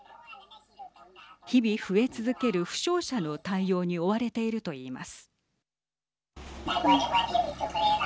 日々、増え続ける負傷者の対応に追われていると言います。